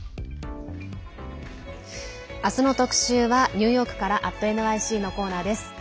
明日の特集はニューヨークから「＠ｎｙｃ」のコーナーです。